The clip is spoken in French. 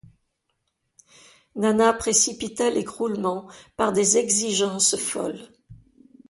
Nana précipita l'écroulement par des exigences folles.